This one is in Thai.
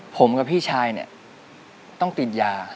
ผมกับพี่ชายเนี่ยต้องติดยา